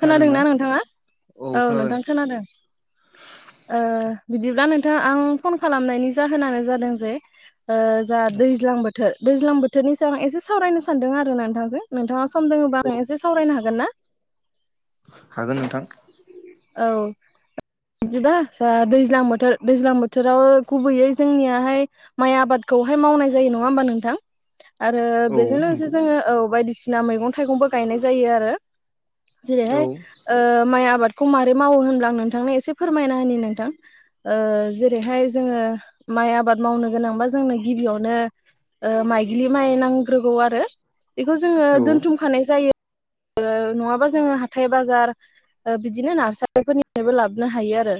खोनादोंना नोंथाङा। औ नोंथां खोनादों। ओ बिदिब्ला नोंथाङ आं फन खालामनायनि जाहोनानो जादों जे ओ जा दैज्लां बोथोर दैज्लां बोथोरनि सायाव एसे सावरायनो सानदों आरो नोंथांजों नोंथाङा सम' दङोबा औ जों एसे सावरायनो हागोन ना? हागोन नोंथां। औ। बिदि दा ज दैज्लां बोथोर दैज्लां बोथोराव गुबैयै जोंनियाहाय माइ आबाद खौहाय मावनाय जायो नङा होमबा नोंथां? आरो औ बेजों लोगोसे नंगौ जोङो औ बायदिसिना मैगं थाइगंबो गायनाय जायो आरो। औ जेरै'हाय ओ माइ आबादखौ माबोरै मावो होनब्ला आं नोंथांनो एसे फोरमायना होननि नोंथां। ओ जेरै'हाय जोङो माइ आबाद मावनो गोनांबा जोंनो गिबियावनो ओ माइगिलि माइ नांग्रोगौ आरो बेखौ जोङो औ दोनथुमखानाय जायो। नङाबा जोङो हाथथाय बाजार बिदिनो नार्सारिफोरनिफ्रायबो लाबोनो हायो आरो।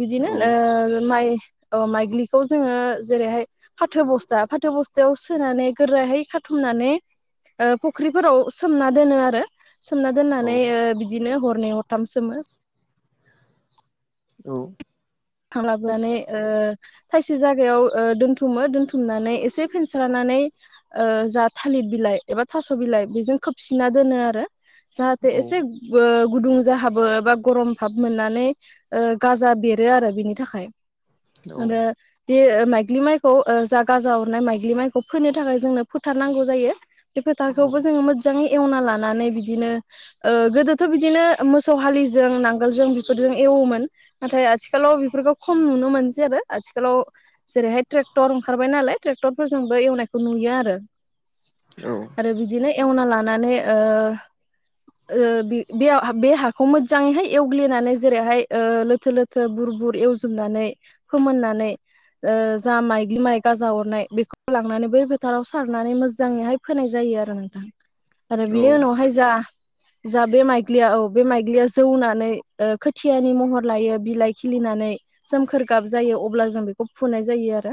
बिदिनो औ ओ माइ अ माइग्लिखौ जोङो जेरैहाय फाथो बस्था फाथो बस्थायाव सोनानै गोरायहाय खा थुमनानै ओ फुख्रिफोराव सोमना दोनो आरो ओ सोमना औ दोननानै ओ बिदिनो हरनै हरथाम सोमो औ। थांलाबानै ओ थायसे जायागायाव ओ दोनथुमो दोनथुमनानै एसे फेनस्रानानै माने ओ जा थालिर बिलाइ एबा थास' बिलाइ बेजों खोबसिना दोनो आरो जाहाथे औ एसे ओ गुदुं जाहाबो बा गरम भाब मोननानै ओ गाजा बेरो आरो बिनि थाखाय औ आ बे माइग्लि माइखौ ओ जागा जाहरनाय माइग्लि माइखौ फोननो थाखाय जोंनो फोथारनांगौ जायो। बे फोथारखौबो जोङो मोजाङै एवना लानानै बिदिनो ओ गोदोथ' बिदिनो मोसौ हालिजों नांगोलजों बेफोरजों ए वोमोन नाथाय आथि खालाव बेफोरखौ खम नुनो मोनसै आरो आथिखालाव जेरैहाय ट्रेक्टर ओंखारबाय नालाय ट्रेक्टरफोरजों एवनायखौ नुयो आरो आरो बिदिनो एवना लानानै ओ ओ बे-बे हाखौ मोजाङैहाय एवग्लिनानै जेरैहाय ओ लोथो लो थो बुर-बुर एवजोबनानै फोमोननानै ओ जा माइग्लि माइ गाजा अरनाय बेखौ लांनानै बै फोथाराव सारनानै मोजाङैहाय फोनाय जायो। आरो नोंथां आरो बिनि उनावहाय जा जा बे माइग्लिया औ बे माइग्लिया जौनानै ओ खोथियानि महर लायो। बिलाइ खिलिनानै सोमखोर गाब जायो अब्ला जों बेखौ फुनाय जायो आरो।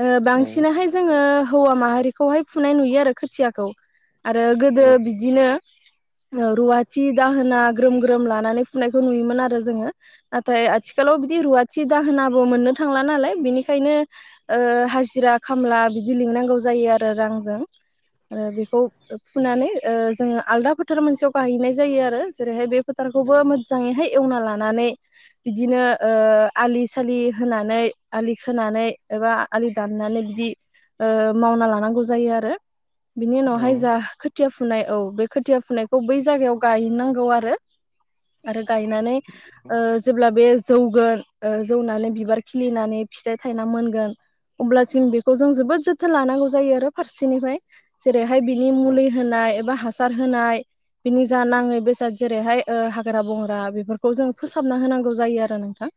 ओ औ बांसिनाहाय जोङो हौवा माहारिखौहाय फुनाय नुयो आरो खोथियाखौ। आरो गोदो औ बिदिनो रुवाथि दाहोना ग्रोम ग्रोम लानानै फुनायखौ नुयोमोन आरो जोङो। नाथाय आथिखालाव बिदि रुवाथि दाहोनाबो मोननो थांला नालाय बिनिखायनो ओ हाजिरा खामला बिदि लिंनांगौ जायो आरो रांजों। ओ बेखौ फुनानै जोङो ओ आलदा फोथार मोनसेयाव गाहैनाय जायो आरो जेरैहाय बे फोथारखौबो मोजाङैहाय एवना लानानै बिदिनो ओ आलि सालि होनानै आलि खोनानै एबा आलि दान नानै बिदि ओ मावना लांगौ जायो आरो बिनि उनावहाय जा खोथिया फु फुनाय औ बे खोथिया फुनायखौ बै जायगायाव गायनांगौ आरो। आरो गायनानै ओ जेब्ला बे जौगोन जौनानै बिबार खिलिनानै फिथाइ थायना मोनगोन। अब्लासिम बेखौ जों जोबोद जोथोन लानांगौ जायो आरो फारसेनिफ्राय जे बेहाय बिनि मुलि होनाय एबा हासार होनाय बिनि जा नाङै बेसाद जेरैहाय ओ हाग्रा बंग्रा बेफोरखौ जों फोसाबना होनांगौ जायो आरो नोंथां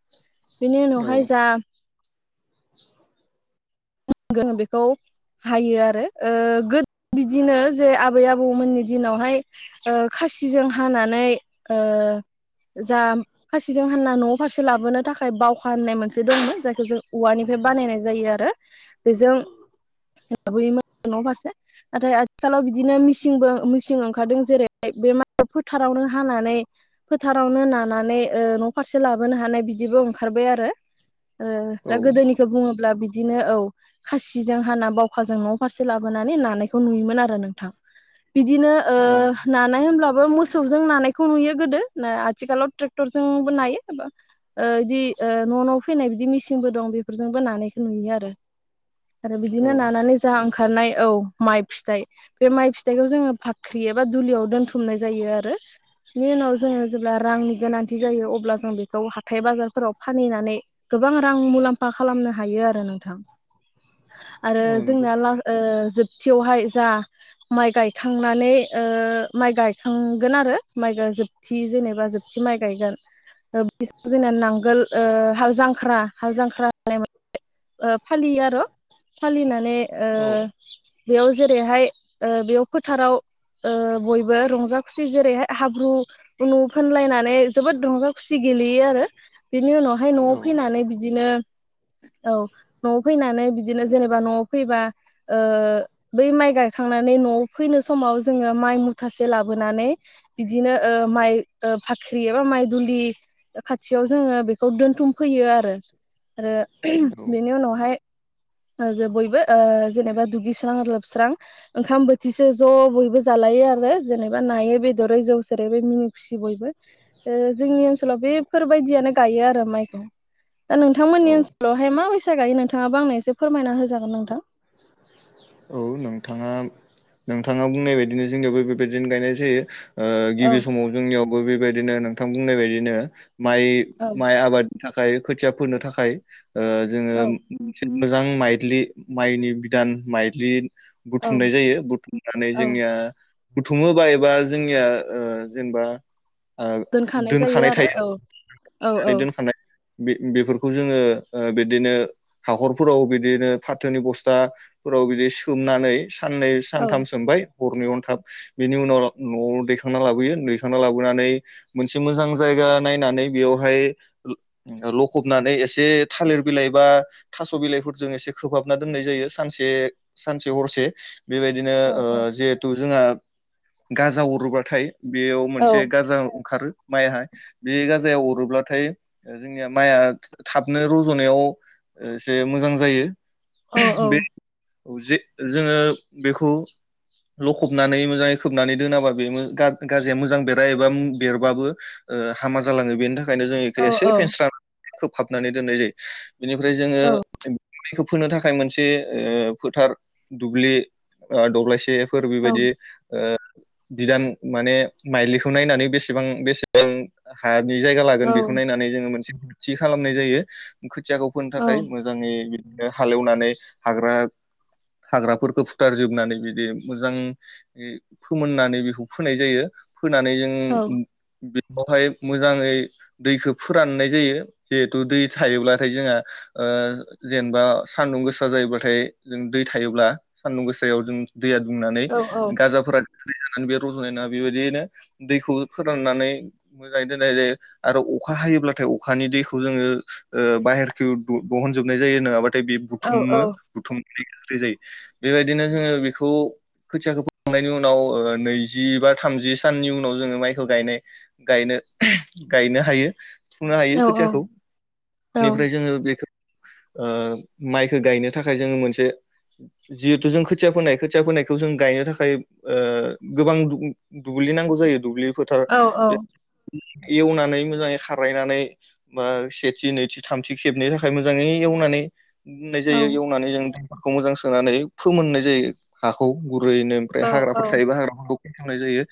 बेनि उनावहाय जा [inaudible] गोन बेखौ हायो आरो। बिदिनो जे आबै आबौमोननि दिनावहाय ओ खासिजों हानानै ओ ओ जा खासिजों हाना न' फारसे लाबोनो थाखाय बावखा होननाय मोनसे दंमोन जायखौ जों औवानिफ्राय बानायनाय जायो आरो बेजों लाबोयोमोन आरो न' फारसे नाथाय आथिखालाव बिदिनो मिसिंबो मिसिं ओंखारदों जेरैहाय बेमार फोथारावनो हानानै फोथारावनो नानानै ओ न' फारसे लाबोनो हानाय बिदिबो ओंखारबाय आरो ओ दा गोदोनिखौ बुङोब्ला बि इदिनो औ खासिजों हाना बावखाजों न' फारसे लाबोनानै नानायखौ नुयोमोन आरो नोंथां बिदिनो ओ नानाय होनब्लाबो मोसौजों नानायखौ नुयो गोदो आथिखालाव ट्रेक्टरजोंबो नायो। ओ बिदि ओ न' न' फैनाय बिदि मेसिनबो दं बेफोरजोंबो नानाय नुयो आरो आरो बिदिनो नानानै जा ओंखारनाय औ माइ फिथाइ बे माइ फिथाइखौ जोङो फाख्रि एबा दुलियाव दोनथुमनाय जायो आरो। बेनि उनाव जोङो जेब्ला रांनि गोनांथि जायो अब्ला जों बेखौ हाथाय बाजारफोराव फानहैनानै गोबां रां मुलाम्फा खालामनो हायो आरो नोंथां आरो औ नंगौ जोंना ला ओ जोबथियावहाय जा माइ गायखांनानै ओ माइ गायखांगोन आरो माइ जोबथि जेनेबा जोबथि माइ गायगोन। बि जोंना नांगोल हाल जांख्रा हाल जांख्रा होननाय ओ फालियो आरो' फालिनानै ओ औ बेयाव जेरैहाय ओ बेयाव फोथाराव ओ बयबो रंजा खुसि जेरैहाय हाब्रु उनु फोनलायनानै जोबोद रंजा खुसि गे गेलेयो आरो बिनि उनावहाय न'आव औ फैनानै बिदिनो औ न'आव फैनानै बिदिनो जेनेबा न'आव फैबा ओ बै माइ गायखां नानै न'आव फैनो समाव जोङो माइ मुथासे लाबोनानै बिदिनो ओ माइ ओ फाख्रि एबा माइ दुलि खाथियाव जोङो बेखौ दोनथुमफैयो आरो आरो औ बेनि उनावहाय ओ जे बयबो ओ जेनेबा दुगैस्रां लोबस्रां ओंखाम बोथिसे ज' बयबो जालाय यो आरो जेनेबा नायै बेदरै जौ सेरेब मिनि खुसि बयबो। ओ जोंनि ओनसोलाव बेफोरबायदियानो गायो आरो माइखो दा औ नोंथांमोननि ओनसोलावहाय माबेसे गायो नोंथाङाबो आंनो एसे फोरमायना होजागोन नोंथां। औ नोंथाङा नोंथाङा बुंनाय बायदिनो जोंनियावबो बेबायदिनो गायनाय जायो। ओ औ गिबि समाव जोंनियावबो बेबायदिनो नोंथां बुंनाय बायदिनो औ माइ-माइ आबादनि थाखाय खोथिया फोनो थाखाय ओ जोङो औ मोजां माइलि माइनि बिदान माइलि औ बुथुमनाय जायो। बुथुमनानै औ जोंनिया बुथुमोबा एबा जोंनिया ओ जेनेबा ओ जायो दोनखानाय आरो थायो औ औ औ [unintelligible] दोनखानाय। बे बेफोरखौ जोङो बिदिनो हाखरफोराव बिदिनो फाथोनि बस्था फोराव बिदि सोमनानै साननै औ सानथाम सोमबाय। हरनै हरथाम बेनि उनाव न'आव दैखांना लाबोयो। दैखांना लाबोनानै मोनसे मोजां जायग जायगा नायनानै बेयावहाय लखबनानै एसे थालिर बिलाइ बा थास बिलाइफोरजों एसे खोबहाबना दोननाय जायो सानसे सानसे हरसे। बेबायदिनो औ ओ जिहेथु जोंहा गाजा अरोब्लाथाय बेयाव औ मोनसे गाजा ओंखारो। माइहा बे गाजायाव अरोब्लाथाय जोंनिया माइआ थाबनो रज'नायाव एसे मोजां जायो। औ औ। बे जे जोङो बेखौ लखबनानै मोजाङै खोबनानै दोनाबा बे गाज्रिया मोजां बेरा एबा बेरबाबो ओ हामा जालाङो। बेनि थाख खायनो जोङो औ एसे फेनस्रा खोबहाबनानै दोननाय जायो। बिनिफ्राय जोङो फोनो थाखाय मोनसे ओ फोथार दुब्लि ओ दब्लायसे फोर औ बेबायदि बिदान माने माइलिखौ नायनानै बेसेबां बेसेबां हा नि जायगा औ लागोन बेखौ नायनानै जों मोनसे थि खालामनाय जायो। खोथियाखौ फोनो औ थाखाय मोजाङै बिदिनो हालेवनानै हाग्रा [inaudible] हाग्राफोरखौ फुथार जोबनानै बिदि मोजां फोमोननानै बेखौ फोनाय जायो। फोनानै जों बेवहाय मोजाङै दैखो फोराननाय जायो जिहेथु दै थायोब्लाथाय जोंहा ओ जेनेबा सान्दुं गोसा जायोबाथाय जों दै थायोब्ला सान्दुं गोसायाव जों दैया दुंनानै गाजाफोरा नानै बे रज'नाय नङा बेबायदियनो दैखौ फोराननानै मोजाङै दोननाय जायो आरो अखा हायोब्लाथाय अखानि दैखौ जोङो बाहेरथि दहनजोबनाय जायो नङाबा नाथाय बे औ बुथुमो बुथुमनाय ख्रि जायो बेबायदिनो जोङो बेखौ खोथियाखौ खांनायनि उनाव नैजि बा थामजि साननि उनाव जोङो माइखौ गायनाय-गायनो गायनो हायो फुंनो हायो खोथियाखौ। बेनिफ्राय जोङो बेखौ ओ माइखो गायनो थाखाय जोङो मोनसे जिहेथु जों खोथिया फोनाय खोथिया फोनायखौ जों गायनो थाखाय ओ गोबां दुब्लिनि नांगौ जायो दुब्लि फोथार औ औ एवनानै मोजाङै खारायनानै बा सेथि नैथि थामथि खेबै थाखाय मोजाङै ए नानै दोननाय औ जायो एवनानै जों दामखौ मोजां सोनानै फोमोननाय जायो हाखौ गुरैनो। औ ओमफ्राय हाग्राफोर थायोबा हाग्राफोरखौ नाय जायो।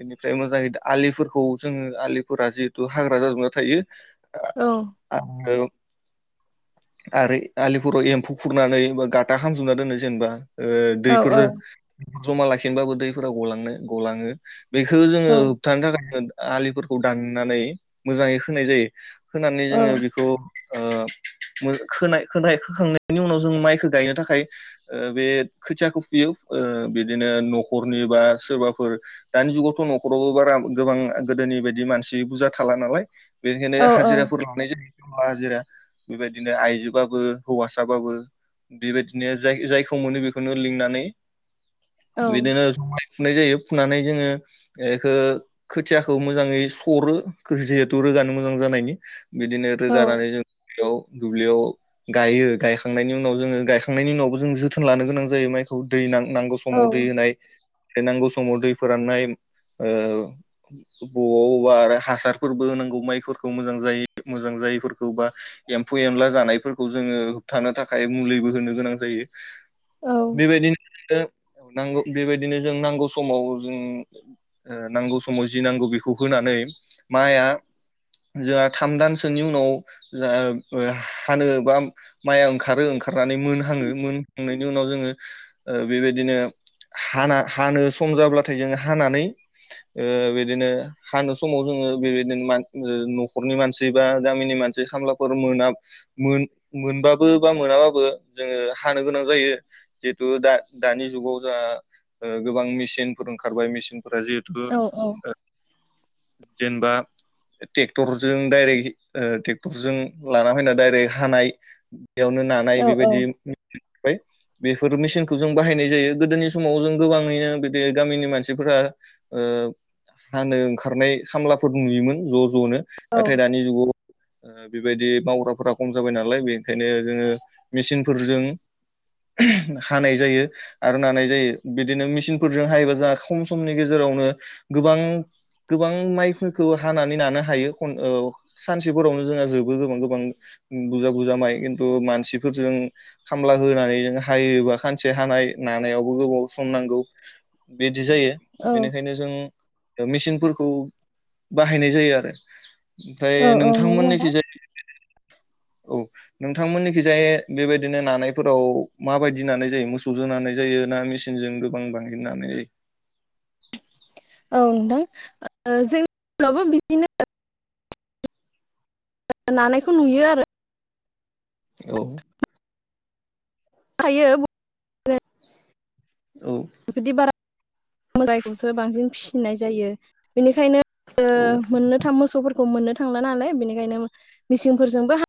बेनिफ्राय मोजाहै आलिफोरखौ जोङो आलिफोरा जिहेथु हाग्रा जाजोबना थायो। आं आङो [inaudible] आरो आलिफोराव एम्फौ खुरनानै गाता खामजोबना दोनो जेनेबा। ओ दैफोर दै जमा लाखिनोबाबो दैफोरा गलांनो गलाङो। बेखो जोङो होबथानो थाखाय आलिफोरखौ दाननानै मोजाङै खोनाय जायो। खोनानै जोङो बेखौ ओ मो-खोनाय-खोनाय-खोखांनायनि उनाव जों माइखौ गायनो थाखाय थाखाय ओ बे खोथियाखौ फुयो ओ बिदिनो न'खरनि बा सोरबाफोर दानि जुगावथ' नखरावबो बारा गोबां गोदोनि बायदि मानसि बुजा थाला नालाय बेनिखायनो हाजिराफोर लानाय जायो हाजिरा बेबायदिनो आइजोबाबो हौवासाबाबो बेबायदि जाय जायखौ मोनो बेखौनो लिंनानै बिदिनो फुनाय जायो फुनानै जोङो एखो खोथियाखौ मोजाङै सरो [unintelligible] नो मोजां जानायनि बिदिनो रोगानानै जों याव दुब्लियाव गायो गायखांनायनि उनाव जोङो गायखां नायनि उनावबो जों जोथोन लानो गोनां जायो माइखौ दै नांगौ समाव दै होनाय नांगौ समाव दै फोराननाय ओ बबावबा आरो हासारफोरबो होनांगौ माइफोरखौ मोजां जायो मोजां जायो फोरखौ बा एम्फौ एनला जानायफोरखौ जोङो होबथानो थाखाय मुलिबो होनो गोनां जायो औ बेबायदिनो औ नांगौ बेबायदिनो जों नांगौ समाव जों ओ नांगौ समाव जि नांगौ बेखौ होनांगौ नानै माइया जोंहा थाम दानसोनि उनाव ओ हानो बा माइया ओंखारो ओंखारनानै हाङो मोनहांनायनि उनाव जोङो ओ बेबायदिनो हाना हानो सम जाब्लाथाय जोङो हानानै ओ बिदिनो हानो समाव जों नो बेबायदिनो मान नखरनि मानसि बा गामिनि मानसि खामलाफोर मोना मोनबाबो बा मोनाबाबो जोङो हानो गोनां जायो जिहेथु दा दानि जुगाव जोहा ओ गोबां मेसिनफोर ओंखारबाय मेसिनफोरा जिहेथु ओ जेनबा टेक्टरजों डायरेक्ट टेक्टरजों लाना फैना डायरेक्ट हानाय बेयावनो नानाय बेबायदि बेफोर मेसिनखौ जों बाहायनाय जायो गोदोनि समाव जों गोबाङैनो बिदि गामिनि मानसिफोरा ओ हानो ओंखारनाय खामलाफोर नुयोमोन ज' ज' ज'नो औ नाथाय दानि जुगाव ओ बेबायदि मावग्राफोरा खम जाबाय नालाय बेनिखायनो जोङो मेचिनफोरजों हानाय जायो आरो नानाय जायो बिदिनो मेसिनफोरजों हायोबा जोंहा खम समनि गेजेराव वनो गोबां गोबां माइफोरखौ हानानै लानो हायो ख सानसेफोरावनो जोंहा जोबो गोबां गोबां बुजा बुजा माइ खिनथु मानसि फोरजों खामला होनानै हायोबा खानसे हानाय नानायावबो गोबाव सम नांगौ बेद बिदि जायो औ बेनिखायनो जों मेचिनफोरखौ बाहायनाय जायो आरो ओमफ्राय नंगौ नोंथां नोंथांमोननिखिजाया औ नोंथांमोननिखिजाय बेबायदिनो नानायफोराव माबायदि नानाय जायो मोसौजों नानाय जायो ना मेचिनजों गोबां बांहोननानै नाय जायो [unintelligible] औ नोंथां ओ जोंनियावबो बिदिनो नानायखौ नुयो आरो औ हायो [unintelligible] औ मोजायखौसो बांसिन फिसिनाय जायो बेनिखायनो औ मोननोथाम मोसौफोरखौ मोननो थांला नालाय बेनिखायनो मिचिंफोरजोंबो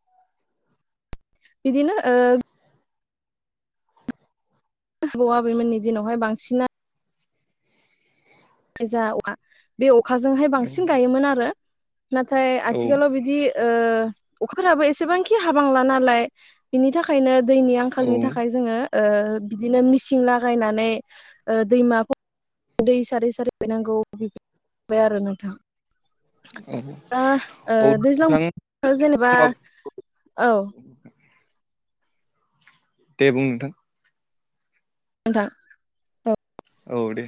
बिदिनो ओ आबौ आबैमोननि दिनावहाय बांसिना थाय जा अखा बे अखाजोंहाय बांसिन गायोमोन आरो नाथाय औ आथिखालाव बिदि ओ अखाबो एसेबांखि हाबांला नालाय बिनि थाखायनो दैनि आंखालनि थाखाय औ जोङो ओ बिदिनो मिसिं लागायनानै दैमाफोर दै सारै सफैनांगौ बिबाय आरो नोंथां दा ओ औ औ दैज्लां नोंथां जेनेबा [unintelligible] औ औ नोंथां। दे बुं नोंथां। नोंथां। औ दे